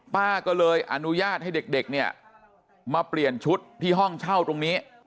ป้าก็เลยอนุญาตให้เด็กเนี่ยมาเปลี่ยนชุดที่ห้องเช่าตรงนี้